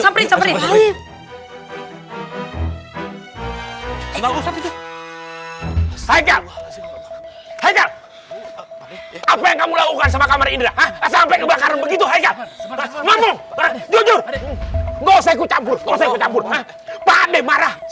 kita belum tahu kebenarannya kalau kita belum mengetahui buktinya yuk sampai sampai